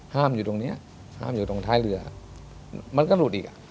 อยู่ตรงนี้ห้ามอยู่ตรงท้ายเรือมันก็หลุดอีกอ่ะ